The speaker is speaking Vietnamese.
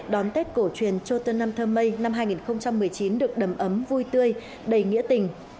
đón tết cổ truyền trôn trân năm tháng mây năm hai nghìn một mươi chín được đầm ấm vui tươi đầy nghĩa tình